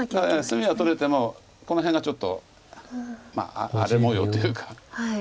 だから隅が取れてもこの辺がちょっと荒れもようというか。